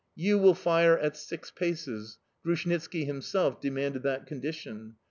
You will fire at six paces Grushnitski himself demanded that condition.